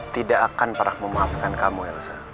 tidak akan pernah memaafkan kamu elsa